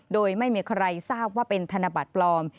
โดยไม่มีใครทราบว่าเป็นธนบัตรปลอม